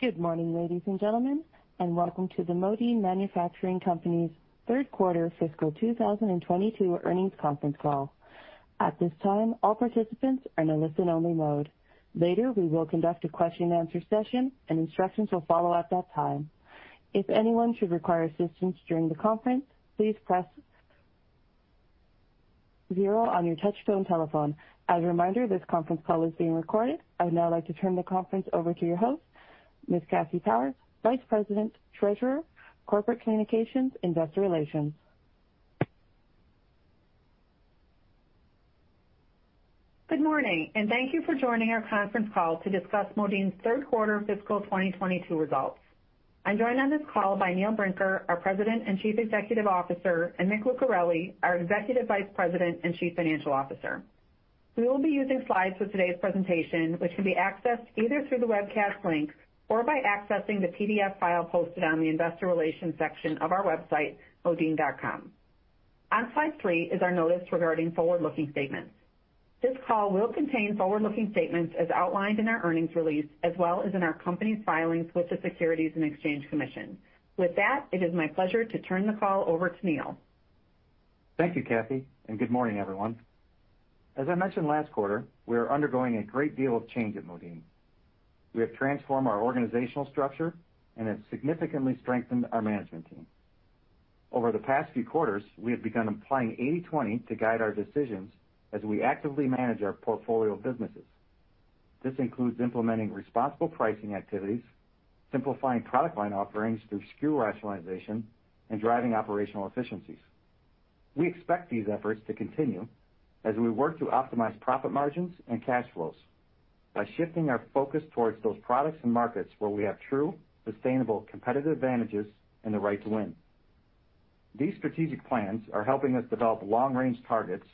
Good morning, ladies and gentlemen, and welcome to the Modine Manufacturing Company's Third Quarter Fiscal 2022 Earnings Conference Call. At this time, all participants are in a listen-only mode. Later, we will conduct a Q&A session, and instructions will follow at that time. If anyone should require assistance during the conference, please press zero on your touchtone telephone. As a reminder, this conference call is being recorded. I would now like to turn the conference over to your host, Ms. Kathleen Powers, Vice President, Treasurer, Corporate Communications, Investor Relations. Good morning, and thank you for joining our conference call to discuss Modine's third quarter fiscal 2022 results. I'm joined on this call by Neil Brinker, our President and Chief Executive Officer, and Mick Lucareli, our Executive Vice President and Chief Financial Officer. We will be using slides for today's presentation, which can be accessed either through the webcast link or by accessing the PDF file posted on the investor relations section of our website, modine.com. On slide three is our notice regarding forward-looking statements. This call will contain forward-looking statements as outlined in our earnings release as well as in our company's filings with the Securities and Exchange Commission. With that, it is my pleasure to turn the call over to Neil. Thank you, Kathy, and good morning, everyone. As I mentioned last quarter, we are undergoing a great deal of change at Modine. We have transformed our organizational structure and have significantly strengthened our management team. Over the past few quarters, we have begun applying 80/20 to guide our decisions as we actively manage our portfolio of businesses. This includes implementing responsible pricing activities, simplifying product line offerings through SKU rationalization, and driving operational efficiencies. We expect these efforts to continue as we work to optimize profit margins and cash flows by shifting our focus towards those products and markets where we have true, sustainable competitive advantages and the right to win. These strategic plans are helping us develop long-range targets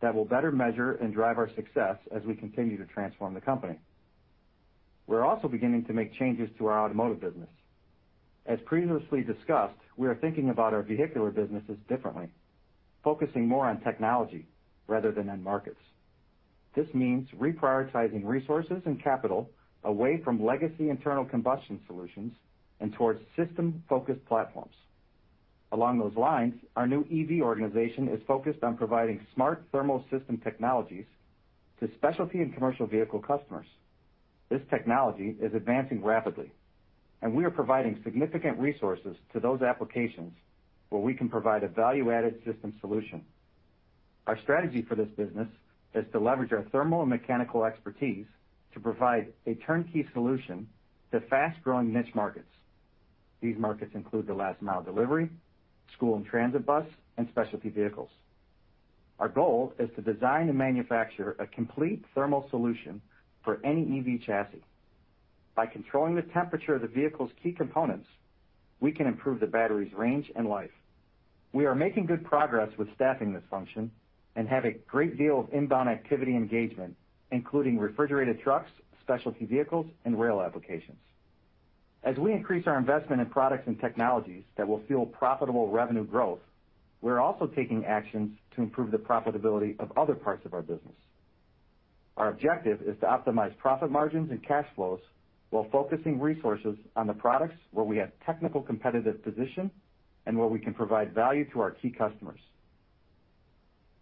that will better measure and drive our success as we continue to transform the company. We're also beginning to make changes to our automotive business. As previously discussed, we are thinking about our vehicular businesses differently, focusing more on technology rather than end markets. This means reprioritizing resources and capital away from legacy internal combustion solutions and towards system-focused platforms. Along those lines, our new EV organization is focused on providing smart thermal system technologies to specialty and commercial vehicle customers. This technology is advancing rapidly, and we are providing significant resources to those applications where we can provide a value-added system solution. Our strategy for this business is to leverage our thermal and mechanical expertise to provide a turnkey solution to fast-growing niche markets. These markets include the last mile delivery, school and transit bus, and specialty vehicles. Our goal is to design and manufacture a complete thermal solution for any EV chassis. By controlling the temperature of the vehicle's key components, we can improve the battery's range and life. We are making good progress with staffing this function and have a great deal of inbound activity engagement, including refrigerated trucks, specialty vehicles, and rail applications. As we increase our investment in products and technologies that will fuel profitable revenue growth, we're also taking actions to improve the profitability of other parts of our business. Our objective is to optimize profit margins and cash flows while focusing resources on the products where we have technical competitive position and where we can provide value to our key customers.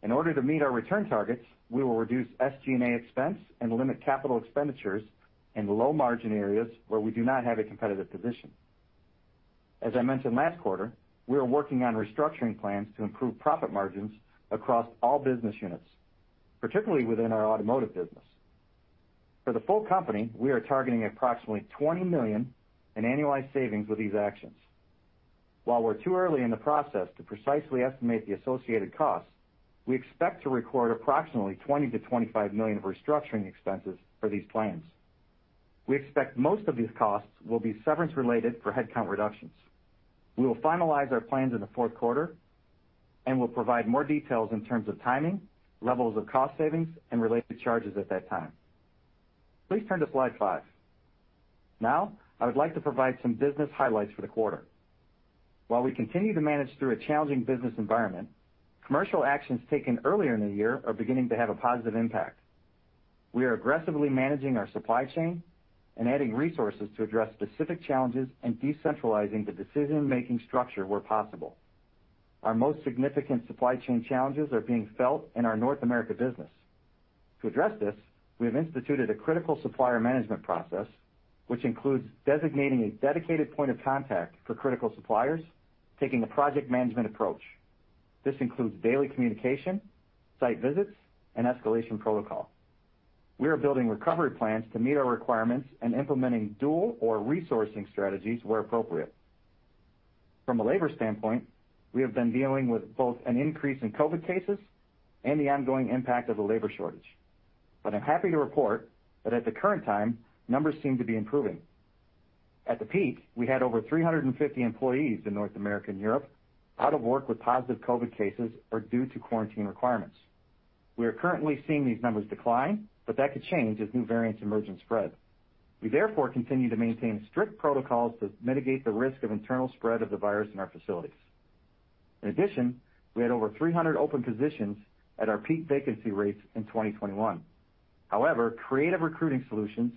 In order to meet our return targets, we will reduce SG&A expense and limit CapExs in low-margin areas where we do not have a competitive position. As I mentioned last quarter, we are working on restructuring plans to improve profit margins across all business units, particularly within our automotive business. For the full company, we are targeting approximately $20 million in annualized savings with these actions. While we're too early in the process to precisely estimate the associated costs, we expect to record approximately $20 million-$25 million of restructuring expenses for these plans. We expect most of these costs will be severance-related for headcount reductions. We will finalize our plans in the fourth quarter, and we'll provide more details in terms of timing, levels of cost savings, and related charges at that time. Please turn to slide five. Now, I would like to provide some business highlights for the quarter. While we continue to manage through a challenging business environment, commercial actions taken earlier in the year are beginning to have a positive impact. We are aggressively managing our supply chain and adding resources to address specific challenges and decentralizing the decision-making structure where possible. Our most significant supply chain challenges are being felt in our North America business. To address this, we have instituted a critical supplier management process, which includes designating a dedicated point of contact for critical suppliers, taking a project management approach. This includes daily communication, site visits, and escalation protocol. We are building recovery plans to meet our requirements and implementing dual or resourcing strategies where appropriate. From a labor standpoint, we have been dealing with both an increase in COVID cases and the ongoing impact of the labor shortage, but I'm happy to report that at the current time, numbers seem to be improving. At the peak, we had over 350 employees in North America and Europe out of work with positive COVID cases or due to quarantine requirements. We are currently seeing these numbers decline, but that could change as new variants emerge and spread. We therefore continue to maintain strict protocols to mitigate the risk of internal spread of the virus in our facilities. In addition, we had over 300 open positions at our peak vacancy rates in 2021. However, creative recruiting solutions,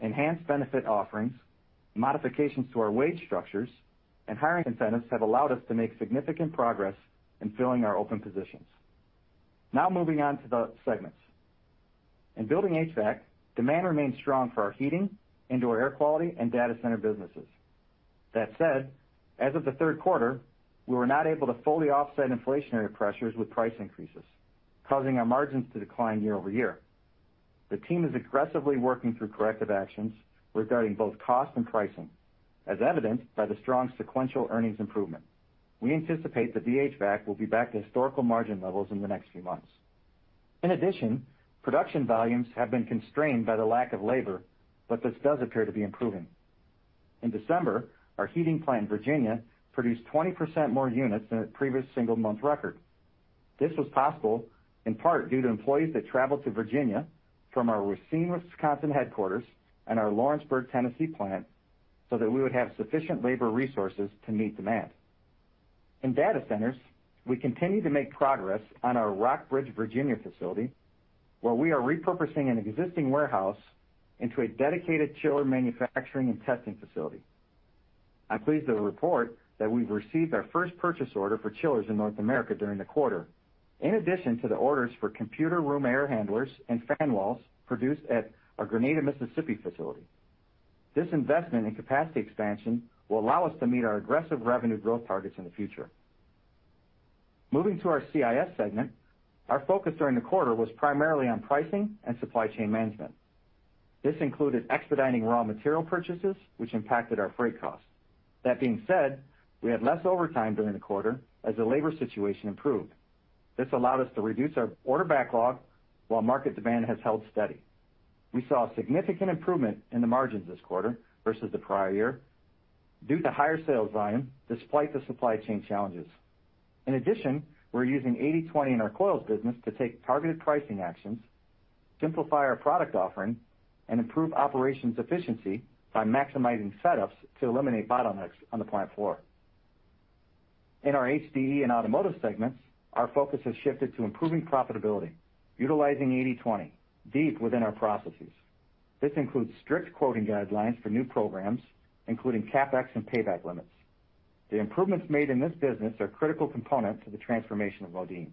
enhanced benefit offerings, modifications to our wage structures, and hiring incentives have allowed us to make significant progress in filling our open positions. Now moving on to the segments. In Building HVAC, demand remains strong for our heating, indoor air quality, and data center businesses. That said, as of the third quarter, we were not able to fully offset inflationary pressures with price increases, causing our margins to decline YoY. The team is aggressively working through corrective actions regarding both cost and pricing, as evidenced by the strong sequential earnings improvement. We anticipate that HVAC will be back to historical margin levels in the next few months. In addition, production volumes have been constrained by the lack of labor, but this does appear to be improving. In December, our heating plant in Virginia produced 20% more units than its previous single-month record. This was possible in part due to employees that traveled to Virginia from our Racine, Wisconsin, headquarters and our Lawrenceburg, Tennessee, plant so that we would have sufficient labor resources to meet demand. In data centers, we continue to make progress on our Rockbridge, Virginia, facility, where we are repurposing an existing warehouse into a dedicated chiller manufacturing and testing facility. I'm pleased to report that we've received our first purchase order for chillers in North America during the quarter. In addition to the orders for Computer Room Air Handlers and fan walls produced at our Grenada, Mississippi, facility. This investment in capacity expansion will allow us to meet our aggressive revenue growth targets in the future. Moving to our CIS segment, our focus during the quarter was primarily on pricing and supply chain management. This included expediting raw material purchases, which impacted our freight costs. That being said, we had less overtime during the quarter as the labor situation improved. This allowed us to reduce our order backlog while market demand has held steady. We saw a significant improvement in the margins this quarter versus the prior year due to higher sales volume despite the supply chain challenges. In addition, we're using 80/20 in our coils business to take targeted pricing actions, simplify our product offering, and improve operations efficiency by maximizing setups to eliminate bottlenecks on the plant floor. In our HDE and automotive segments, our focus has shifted to improving profitability, utilizing 80/20 deep within our processes. This includes strict quoting guidelines for new programs, including CapEx and payback limits. The improvements made in this business are a critical component to the transformation of Modine.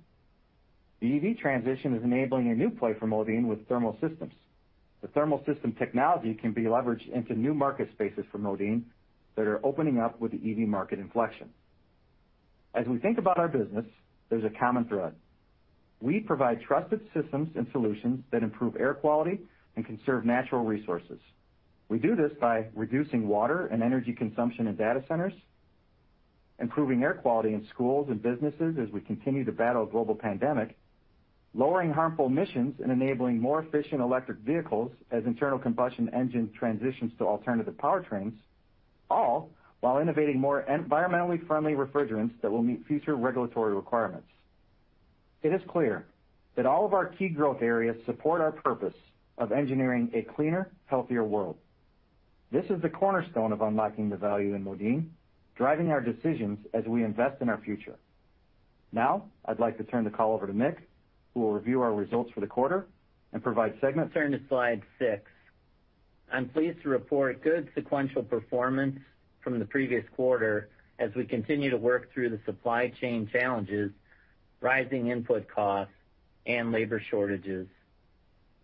The EV transition is enabling a new play for Modine with thermal systems. The thermal system technology can be leveraged into new market spaces for Modine that are opening up with the EV market inflection. As we think about our business, there's a common thread. We provide trusted systems and solutions that improve air quality and conserve natural resources. We do this by reducing water and energy consumption in data centers, improving air quality in schools and businesses as we continue to battle a global pandemic, lowering harmful emissions, and enabling more efficient electric vehicles as internal combustion engine transitions to alternative powertrains, all while innovating more environmentally friendly refrigerants that will meet future regulatory requirements. It is clear that all of our key growth areas support our purpose of engineering a cleaner, healthier world. This is the cornerstone of unlocking the value in Modine, driving our decisions as we invest in our future. Now, I'd like to turn the call over to Mick, who will review our results for the quarter and provide segment- Turn to slide six. I'm pleased to report good sequential performance from the previous quarter as we continue to work through the supply chain challenges, rising input costs, and labor shortages.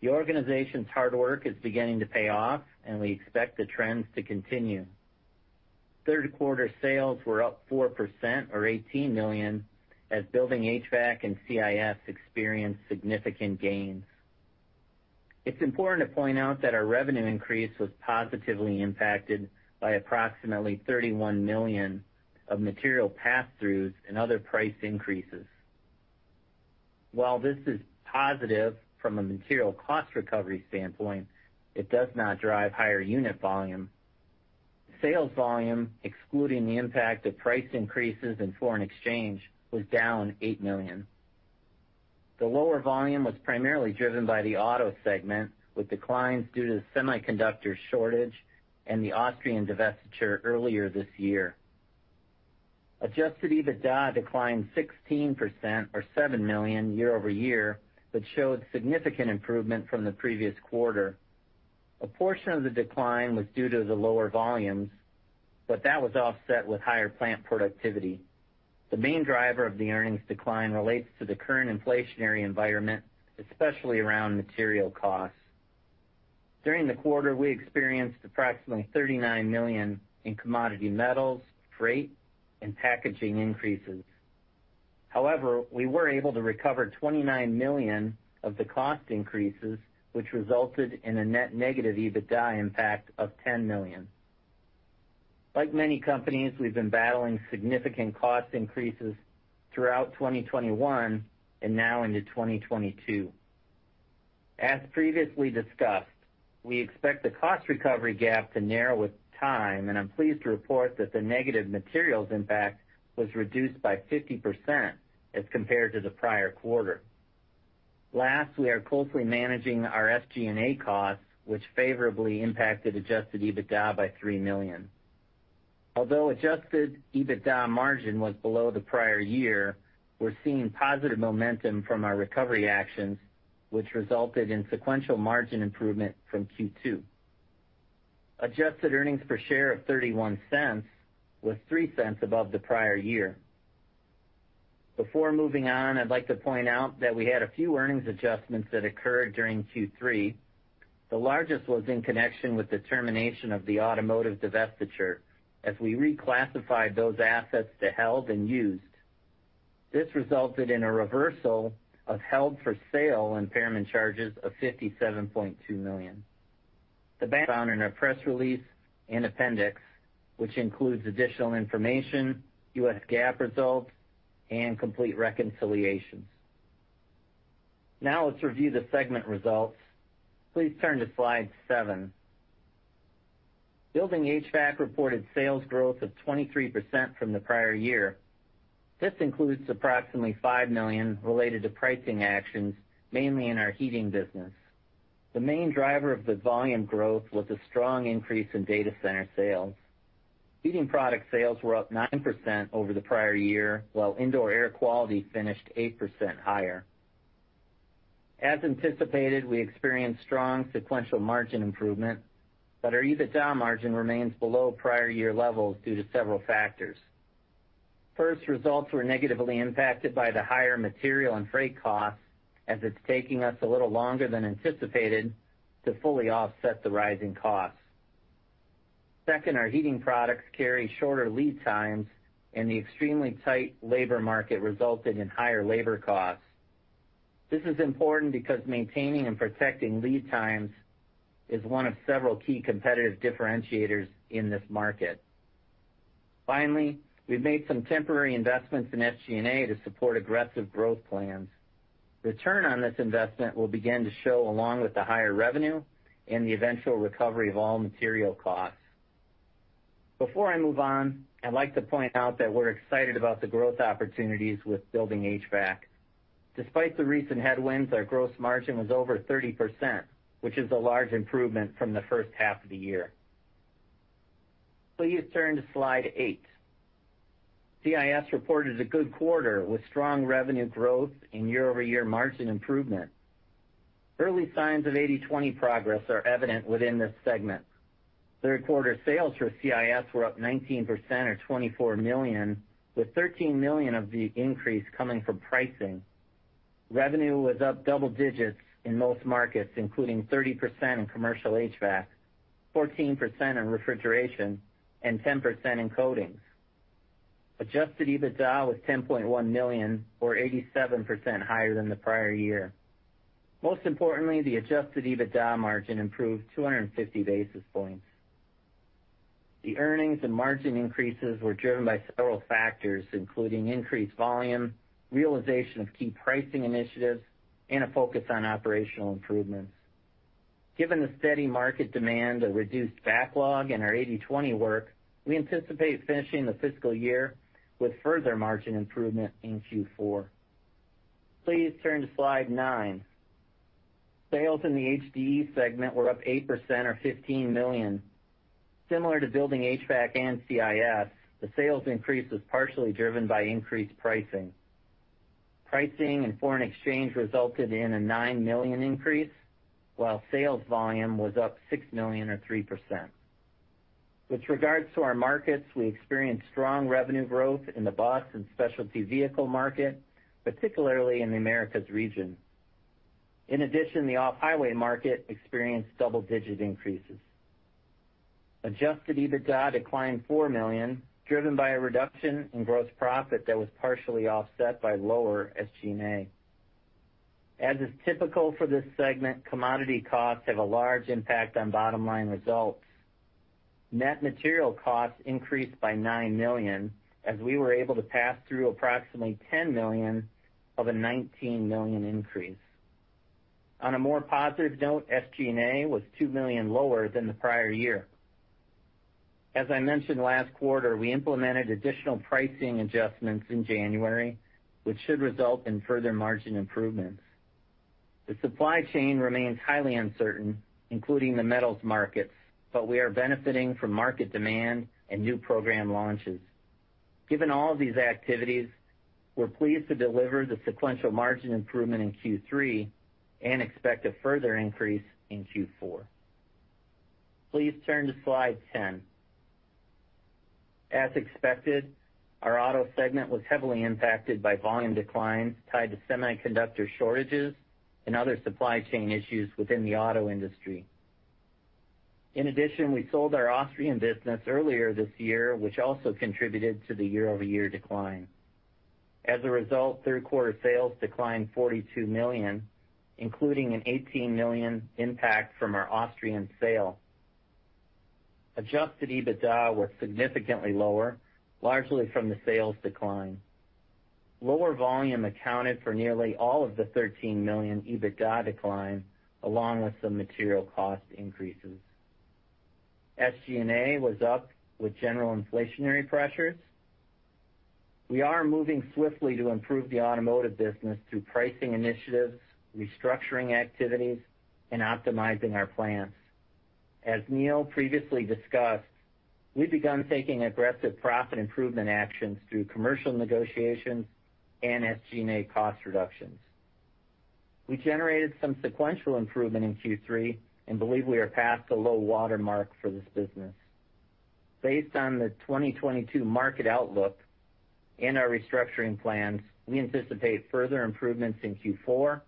The organization's hard work is beginning to pay off, and we expect the trends to continue. Third quarter sales were up 4% or $18 million as Building HVAC and CIS experienced significant gains. It's important to point out that our revenue increase was positively impacted by approximately $31 million of material passthroughs and other price increases. While this is positive from a material cost recovery standpoint, it does not drive higher unit volume. Sales volume, excluding the impact of price increases in foreign exchange, was down $8 million. The lower volume was primarily driven by the auto segment, with declines due to the semiconductor shortage and the Austrian divestiture earlier this year. Adjusted EBITDA declined 16% or $7 million YoY, but showed significant improvement from the previous quarter. A portion of the decline was due to the lower volumes, but that was offset with higher plant productivity. The main driver of the earnings decline relates to the current inflationary environment, especially around material costs. During the quarter, we experienced approximately $39 million in commodity metals, freight, and packaging increases. However, we were able to recover $29 million of the cost increases, which resulted in a net negative EBITDA impact of $10 million. Like many companies, we've been battling significant cost increases throughout 2021 and now into 2022. As previously discussed, we expect the cost recovery gap to narrow with time, and I'm pleased to report that the negative materials impact was reduced by 50% as compared to the prior quarter. Last, we are closely managing our SG&A costs, which favorably impacted Adjusted EBITDA by $3 million. Although Adjusted EBITDA margin was below the prior year, we're seeing positive momentum from our recovery actions, which resulted in sequential margin improvement from Q2. Adjusted earnings per share of $0.31 was $0.03 above the prior year. Before moving on, I'd like to point out that we had a few earnings adjustments that occurred during Q3. The largest was in connection with the termination of the automotive divestiture as we reclassified those assets to held and used. This resulted in a reversal of held-for-sale impairment charges of $57.2 million. Details can be found in our press release and appendix, which includes additional information, U.S. GAAP results, and complete reconciliations. Now let's review the segment results. Please turn to slide seven. Building HVAC reported sales growth of 23% from the prior year. This includes approximately $5 million related to pricing actions, mainly in our heating business. The main driver of the volume growth was a strong increase in data center sales. Heating product sales were up 9% over the prior year, while indoor air quality finished 8% higher. As anticipated, we experienced strong sequential margin improvement, but our EBITDA margin remains below prior year levels due to several factors. First, results were negatively impacted by the higher material and freight costs as it's taking us a little longer than anticipated to fully offset the rising costs. Second, our heating products carry shorter lead times, and the extremely tight labor market resulted in higher labor costs. This is important because maintaining and protecting lead times is one of several key competitive differentiators in this market. Finally, we've made some temporary investments in SG&A to support aggressive growth plans. Return on this investment will begin to show along with the higher revenue and the eventual recovery of all material costs. Before I move on, I'd like to point out that we're excited about the growth opportunities with Building HVAC. Despite the recent headwinds, our gross margin was over 30%, which is a large improvement from the first half of the year. Please turn to slide 8. CIS reported a good quarter with strong revenue growth and YoY margin improvement. Early signs of 80/20 progress are evident within this segment. Third quarter sales for CIS were up 19% or $24 million, with $13 million of the increase coming from pricing. Revenue was up double digits in most markets, including 30% in commercial HVAC, 14% in refrigeration, and 10% in coatings. Adjusted EBITDA was $10.1 million or 87% higher than the prior year. Most importantly, the Adjusted EBITDA margin improved 250 basis points. The earnings and margin increases were driven by several factors, including increased volume, realization of key pricing initiatives, and a focus on operational improvements. Given the steady market demand, a reduced backlog, and our 80/20 work, we anticipate finishing the fiscal year with further margin improvement in Q4. Please turn to slide 9. Sales in the HDE segment were up 8% or $15 million. Similar to Building HVAC and CIS, the sales increase was partially driven by increased pricing. Pricing and foreign exchange resulted in a $9 million increase, while sales volume was up $6 million or 3%. With regards to our markets, we experienced strong revenue growth in the bus and specialty vehicle market, particularly in the Americas region. In addition, the off-highway market experienced double-digit increases. Adjusted EBITDA declined $4 million, driven by a reduction in gross profit that was partially offset by lower SG&A. As is typical for this segment, commodity costs have a large impact on bottom-line results. Net material costs increased by $9 million as we were able to pass through approximately $10 million of a $19 million increase. On a more positive note, SG&A was $2 million lower than the prior year. As I mentioned last quarter, we implemented additional pricing adjustments in January, which should result in further margin improvements. The supply chain remains highly uncertain, including the metals markets, but we are benefiting from market demand and new program launches. Given all of these activities, we're pleased to deliver the sequential margin improvement in Q3 and expect a further increase in Q4. Please turn to slide 10. As expected, our auto segment was heavily impacted by volume declines tied to semiconductor shortages and other supply chain issues within the auto industry. In addition, we sold our Austrian business earlier this year, which also contributed to the YoY decline. As a result, third quarter sales declined $42 million, including an $18 million impact from our Austrian sale. Adjusted EBITDA was significantly lower, largely from the sales decline. Lower volume accounted for nearly all of the $13 million EBITDA decline, along with some material cost increases. SG&A was up with general inflationary pressures. We are moving swiftly to improve the automotive business through pricing initiatives, restructuring activities, and optimizing our plans. As Neil previously discussed, we've begun taking aggressive profit improvement actions through commercial negotiations and SG&A cost reductions. We generated some sequential improvement in Q3 and believe we are past the low watermark for this business. Based on the 2022 market outlook and our restructuring plans, we anticipate further improvements in Q4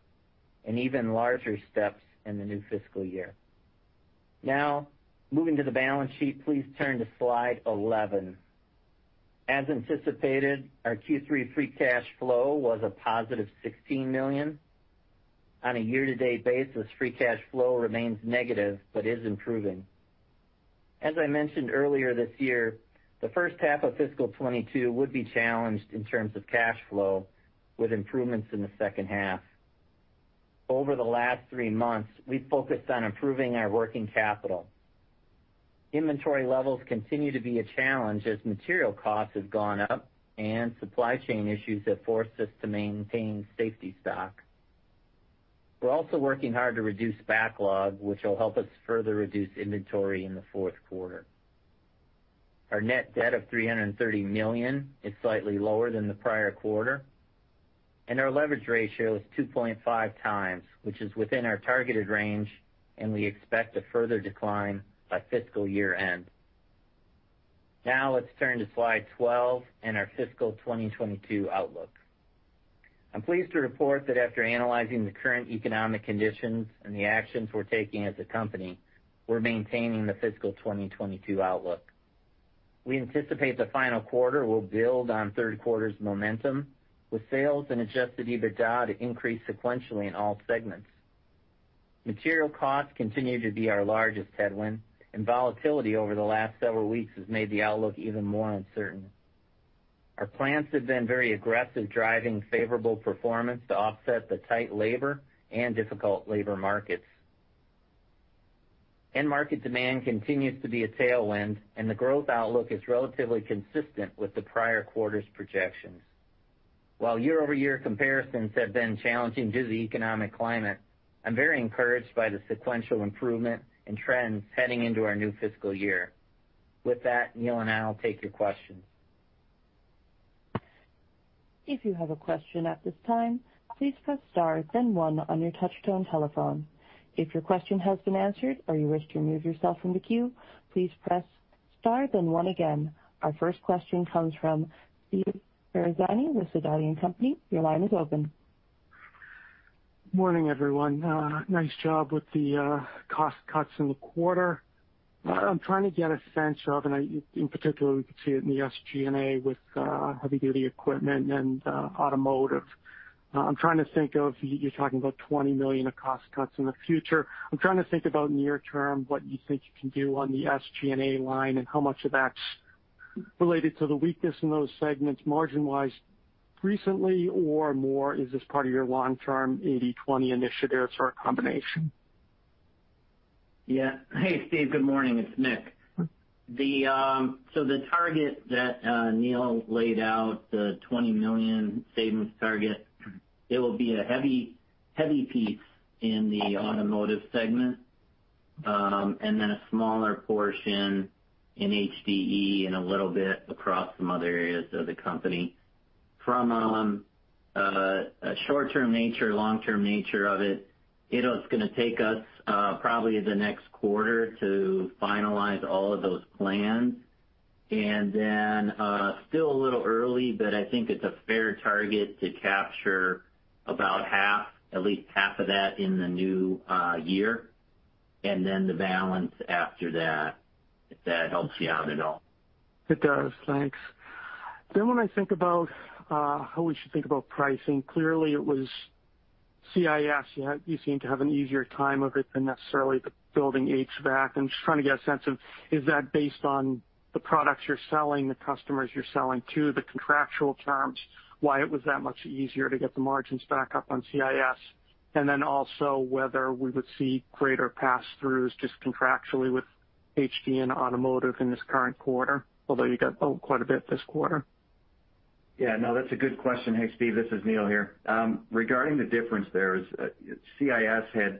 and even larger steps in the new fiscal year. Now moving to the balance sheet, please turn to slide 11. As anticipated, our Q3 free cash flow was a positive $16 million. On a year-to-date basis, free cash flow remains negative but is improving. As I mentioned earlier this year, the first half of fiscal 2022 would be challenged in terms of cash flow, with improvements in the second half. Over the last three months, we focused on improving our working capital. Inventory levels continue to be a challenge as material costs have gone up and supply chain issues have forced us to maintain safety stock. We're also working hard to reduce backlog, which will help us further reduce inventory in the fourth quarter. Our net debt of $330 million is slightly lower than the prior quarter, and our leverage ratio is 2.5 times, which is within our targeted range, and we expect a further decline by fiscal year-end. Now let's turn to slide 12 and our fiscal 2022 outlook. I'm pleased to report that after analyzing the current economic conditions and the actions we're taking as a company, we're maintaining the fiscal 2022 outlook. We anticipate the final quarter will build on third quarter's momentum, with sales and Adjusted EBITDA to increase sequentially in all segments. Material costs continue to be our largest headwind, and volatility over the last several weeks has made the outlook even more uncertain. Our plants have been very aggressive, driving favorable performance to offset the tight labor and difficult labor markets. End market demand continues to be a tailwind, and the growth outlook is relatively consistent with the prior quarter's projections. While YoY comparisons have been challenging due to the economic climate, I'm very encouraged by the sequential improvement and trends heading into our new fiscal year. With that, Neil and I will take your questions. If you have a question at this time, please press star then one on your touchtone telephone. If your question has been answered or you wish to remove yourself from the queue, please press star then one again. Our first question comes from Steve Ferazani with Sidoti & Company. Your line is open. Morning, everyone. Nice job with the cost cuts in the quarter. I'm trying to get a sense of, in particular, we could see it in the SG&A with heavy-duty equipment and automotive. I'm trying to think of, you're talking about $20 million of cost cuts in the future. I'm trying to think about near term, what you think you can do on the SG&A line and how much of that's related to the weakness in those segments margin-wise recently or more is this part of your long-term 80/20 initiative or a combination? Yeah. Hey, Steve. Good morning. It's Mick. So the target that Neil laid out, the $20 million savings target, it will be a heavy piece in the automotive segment, and then a smaller portion in HDE and a little bit across some other areas of the company. From a short-term nature, long-term nature of it is gonna take us probably the next quarter to finalize all of those plans. Still a little early, but I think it's a fair target to capture about half, at least half of that in the new year, and then the balance after that, if that helps you out at all. It does. Thanks. When I think about how we should think about pricing, clearly it was CIS you seem to have an easier time of it than necessarily the Building HVAC. I'm just trying to get a sense of, is that based on the products you're selling, the customers you're selling to, the contractual terms, why it was that much easier to get the margins back up on CIS? And then also whether we would see greater pass-throughs just contractually with HDE and automotive in this current quarter, although you got, oh, quite a bit this quarter. Yeah, no, that's a good question. Hey, Steve, this is Neil here. Regarding the difference there is, CIS had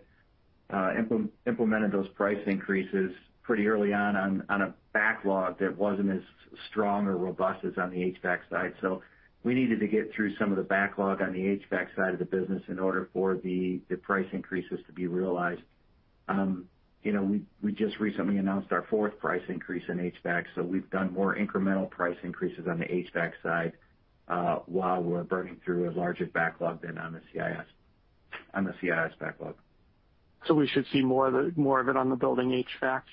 implemented those price increases pretty early on a backlog that wasn't as strong or robust as on the HVAC side. We needed to get through some of the backlog on the HVAC side of the business in order for the price increases to be realized. You know, we just recently announced our fourth price increase in HVAC, so we've done more incremental price increases on the HVAC side while we're burning through a larger backlog than on the CIS, on the CIS backlog. We should see more of it on the Building HVAC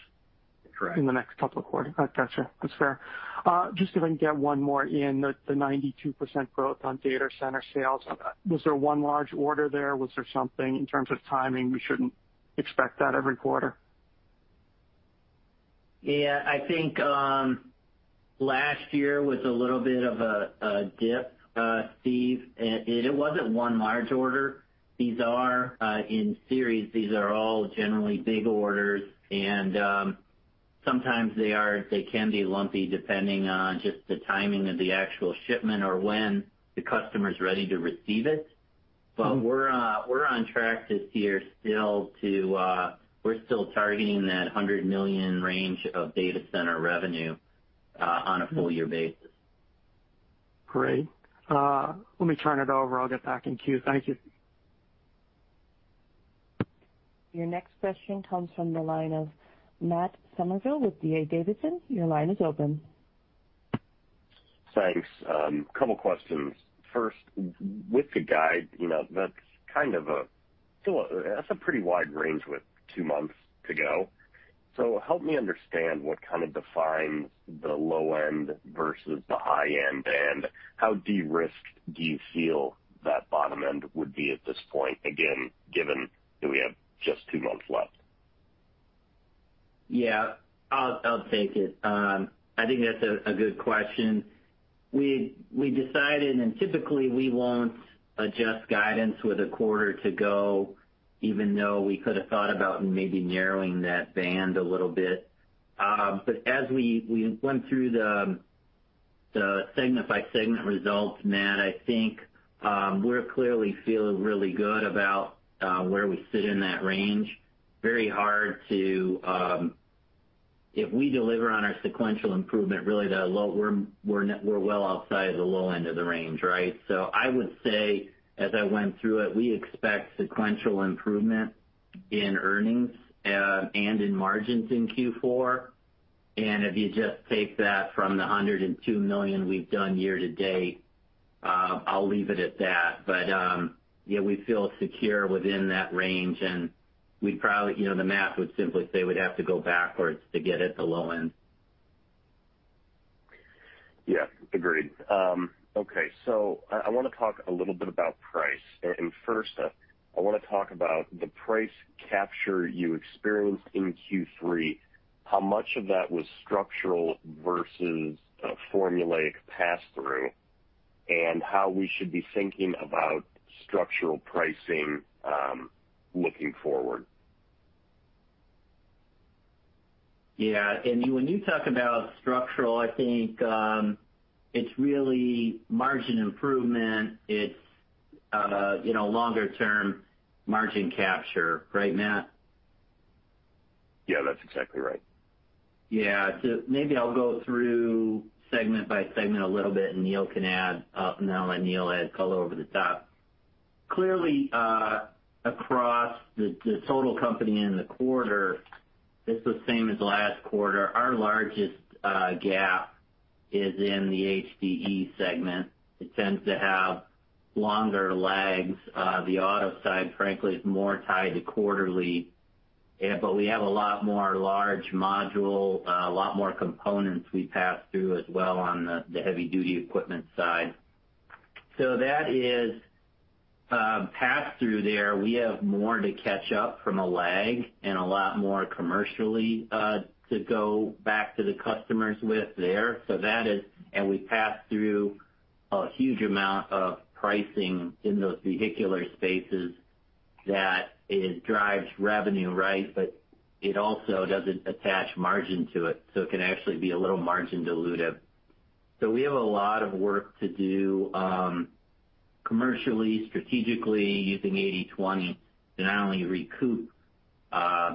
in the next couple of quarters. Correct. Gotcha. That's fair. Just if I can get one more in, the 92% growth on data center sales, was there one large order there? Was there something in terms of timing we shouldn't expect that every quarter? Yeah. I think last year was a little bit of a dip, Steve. It wasn't one large order. These are in series; these are all generally big orders. Sometimes they are; they can be lumpy depending on just the timing of the actual shipment or when the customer's ready to receive it. We're on track this year. We're still targeting that $100 million range of data center revenue on a full year basis. Great. Let me turn it over. I'll get back in queue. Thank you. Your next question comes from the line of Matt Summerville with D.A. Davidson. Your line is open. Thanks. Couple questions. First, with the guide, you know, that's a pretty wide range with two months to go. Help me understand what kind of defines the low end versus the high end, and how de-risked do you feel that bottom end would be at this point, again, given that we have just two months left? Yeah. I'll take it. I think that's a good question. We decided and typically we won't adjust guidance with a quarter to go, even though we could have thought about maybe narrowing that band a little bit. But as we went through the segment by segment results, Matt, I think we're clearly feeling really good about where we sit in that range. Very hard to. If we deliver on our sequential improvement, we're well outside of the low end of the range, right? I would say, as I went through it, we expect sequential improvement in earnings and in margins in Q4. If you just take that from the $102 million we've done year to date, I'll leave it at that. Yeah, we feel secure within that range, and we probably, you know, the math would simply say we'd have to go backwards to get at the low end. Yeah, agreed. Okay. I wanna talk a little bit about price. First, I wanna talk about the price capture you experienced in Q3, how much of that was structural versus a formulaic pass-through, and how we should be thinking about structural pricing, looking forward. Yeah. When you talk about structural, I think, it's really margin improvement. It's, you know, longer term margin capture, right, Matt? Yeah. That's exactly right. Yeah. Maybe I'll go through segment by segment a little bit, and then I'll let Neil add color over the top. Clearly, across the total company in the quarter, it's the same as last quarter. Our largest gap is in the HDE segment. It tends to have longer lags. The auto side, frankly, is more tied to quarterly. But we have a lot more large module, a lot more components we pass through as well on the heavy duty equipment side. That is pass-through there. We have more to catch up from a lag and a lot more commercially to go back to the customers with there. We pass through a huge amount of pricing in those vehicular spaces that it drives revenue, right, but it also doesn't attach margin to it, so it can actually be a little margin dilutive. We have a lot of work to do, commercially, strategically using 80/20 to not only recoup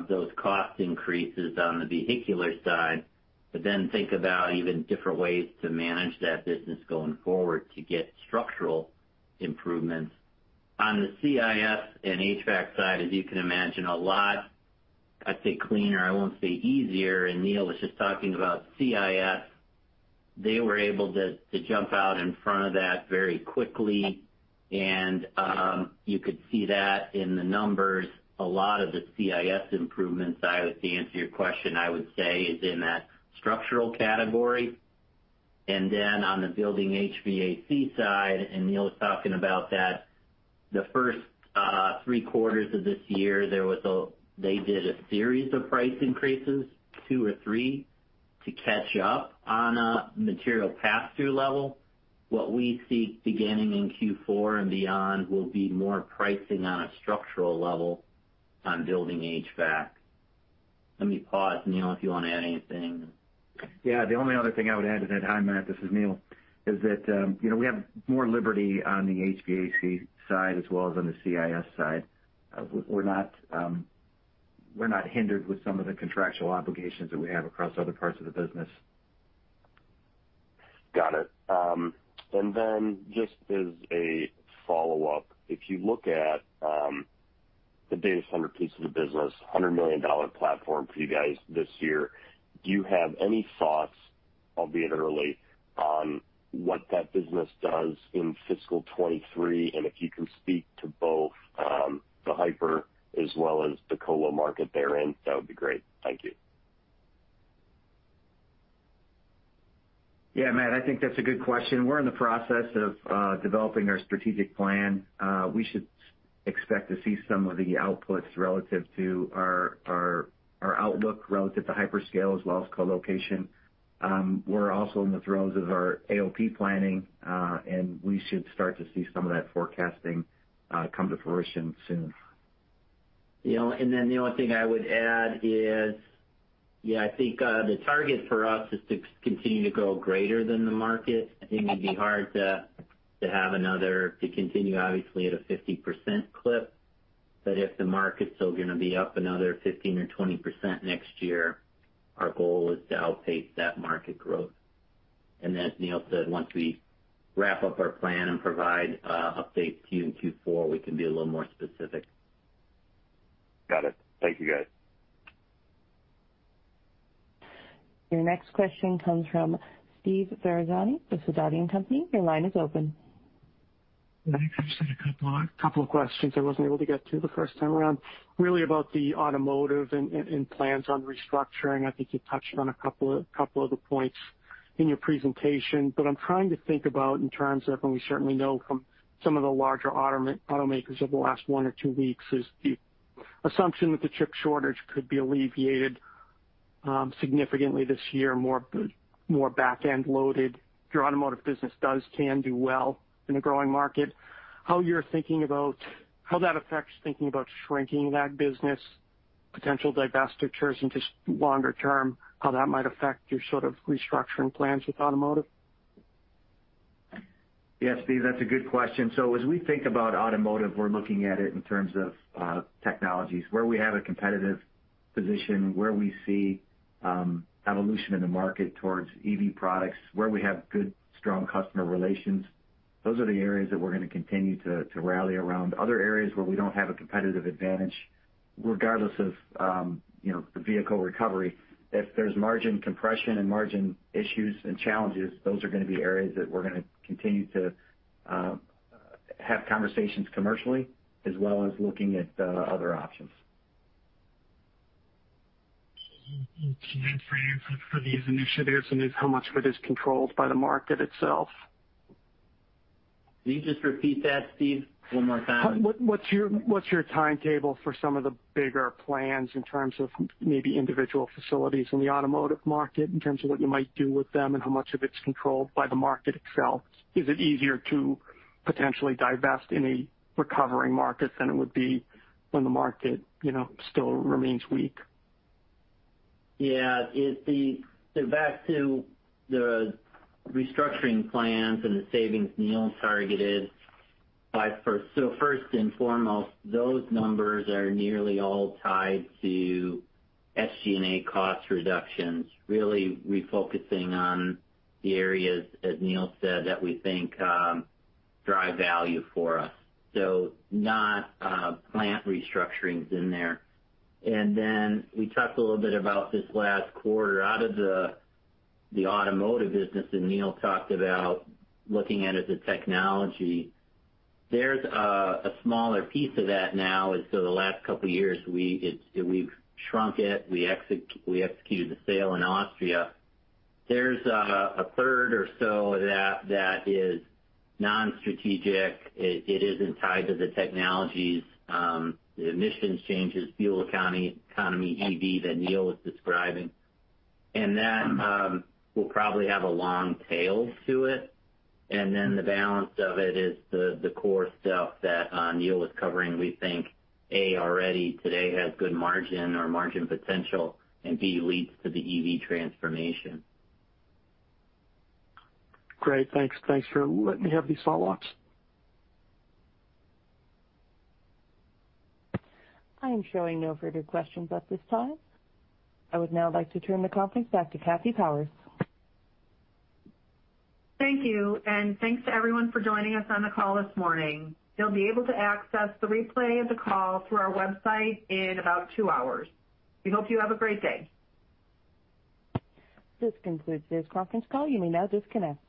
those cost increases on the vehicular side, but then think about even different ways to manage that business going forward to get structural improvements. On the CIS and HVAC side, as you can imagine, a lot, I'd say cleaner, I won't say easier, and Neil was just talking about CIS. They were able to jump out in front of that very quickly, and you could see that in the numbers. A lot of the CIS improvements, to answer your question, I would say is in that structural category. On the building HVAC side, and Neil was talking about that, the first three quarters of this year, they did a series of price increases, two or three, to catch up on a material pass-through level. What we seek beginning in Q4 and beyond will be more pricing on a structural level on building HVAC. Let me pause, Neil, if you wanna add anything. Yeah. The only other thing I would add to that, hi, Matt, this is Neil, is that, you know, we have more liberty on the HVAC side as well as on the CIS side. We're not hindered with some of the contractual obligations that we have across other parts of the business. Got it. Just as a follow-up, if you look at the data center piece of the business, $100 million platform for you guys this year, do you have any thoughts, albeit early, on what that business does in fiscal 2023? If you can speak to both the hyper as well as the colo market they're in, that would be great. Thank you. Yeah, Matt, I think that's a good question. We're in the process of developing our strategic plan. We should expect to see some of the outputs relative to our outlook relative to hyperscale as well as colocation. We're also in the throes of our AOP planning, and we should start to see some of that forecasting come to fruition soon. You know, the only thing I would add is, yeah, I think the target for us is to continue to grow greater than the market. I think it'd be hard to continue obviously at a 50% clip. If the market's still gonna be up another 15% or 20% next year, our goal is to outpace that market growth. As Neil Brinker said, once we wrap up our plan and provide updates to you in Q4, we can be a little more specific. Got it. Thank you, guys. Your next question comes from Steve Ferazani with Sidoti & Company. Your line is open. Thanks. I just had a couple of questions I wasn't able to get to the first time around, really about the automotive and plans on restructuring. I think you touched on a couple of the points in your presentation. I'm trying to think about in terms of, and we certainly know from some of the larger automakers over the last one or two weeks, is the assumption that the chip shortage could be alleviated significantly this year, more back-end loaded. Your automotive business can do well in a growing market. How you're thinking about how that affects thinking about shrinking that business, potential divestitures, and just longer term, how that might affect your sort of restructuring plans with automotive. Yes, Steve, that's a good question. As we think about automotive, we're looking at it in terms of technologies. Where we have a competitive position, where we see evolution in the market towards EV products, where we have good, strong customer relations, those are the areas that we're gonna continue to rally around. Other areas where we don't have a competitive advantage, regardless of you know the vehicle recovery, if there's margin compression and margin issues and challenges, those are gonna be areas that we're gonna continue to have conversations commercially as well as looking at other options. Okay. Timeframe for these initiatives, and then how much of it is controlled by the market itself? Can you just repeat that, Steve, one more time? What's your timetable for some of the bigger plans in terms of maybe individual facilities in the automotive market, in terms of what you might do with them and how much of it's controlled by the market itself? Is it easier to potentially divest in a recovering market than it would be when the market, you know, still remains weak? Yeah. So back to the restructuring plans and the savings Neil targeted first. First and foremost, those numbers are nearly all tied to SG&A cost reductions, really refocusing on the areas, as Neil said, that we think drive value for us. So not plant restructurings in there. Then we talked a little bit about this last quarter. Out of the automotive business that Neil talked about looking at as a technology, there's a smaller piece of that now. The last couple years, we've shrunk it. We executed the sale in Austria. There's a third or so that is non-strategic. It isn't tied to the technologies, the emissions changes, fuel economy, EV that Neil was describing. That will probably have a long tail to it. The balance of it is the core stuff that Neil was covering. We think, A, already today has good margin or margin potential and, B, leads to the EV transformation. Great. Thanks. Thanks for letting me have these follow-ups. I am showing no further questions at this time. I would now like to turn the conference back to Kathy Powers. Thank you, and thanks to everyone for joining us on the call this morning. You'll be able to access the replay of the call through our website in about two hours. We hope you have a great day. This concludes today's conference call. You may now disconnect.